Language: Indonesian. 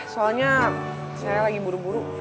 soalnya saya lagi buru buru